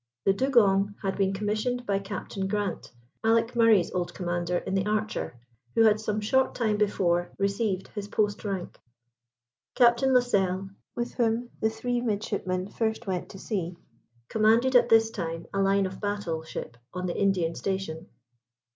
The Dugong had been commissioned by Captain Grant, Alick Murray's old commander in the Archer, who had some short time before received his post rank. Captain Lascelles, with whom the three midshipmen first went to sea, commanded at this time a line of battle ship on the Indian station.